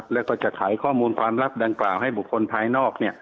แล้วก็จะขายข้อมูลความลับดังกล่าวให้บุคคลภายนอก